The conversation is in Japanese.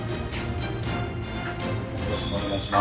よろしくお願いします。